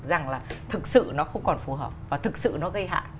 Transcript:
rằng là thực sự nó không còn phù hợp và thực sự nó gây hại